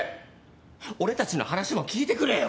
俺たちの話も聞いてくれよ！